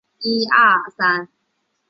产后继续回归娱乐圈。